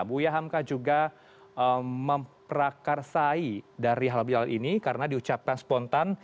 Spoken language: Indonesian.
buya hamka juga memprakarsai dari halal bihalal ini karena diucapkan spontan